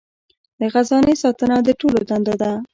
د خزانې ساتنه د ټولو دنده ده.